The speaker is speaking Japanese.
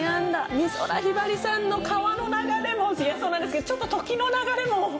美空ひばりさんの『川の流れ』もそうなんですけどちょっと『時の流れ』も。